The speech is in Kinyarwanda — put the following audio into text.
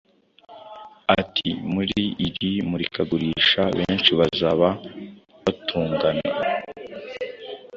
Ati “Muri iri murikagurisha benshi baza batugana